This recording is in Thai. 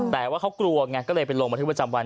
แต่ว่าเขากลัวไงก็เลยไปลงบันทึกประจำวัน